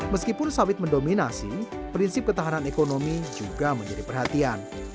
meskipun sawit mendominasi prinsip ketahanan ekonomi juga menjadi perhatian